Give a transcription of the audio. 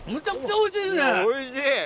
おいしい！